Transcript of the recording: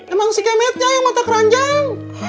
emang si kemitnya yang mata keranjang